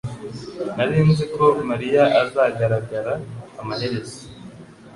Nari nzi ko mariya azagaragara amaherezo